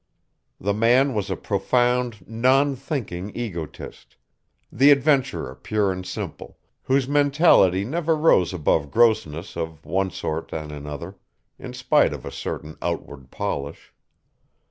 The man was a profound, non thinking egotist, the adventurer pure and simple, whose mentality never rose above grossness of one sort and another, in spite of a certain outward polish.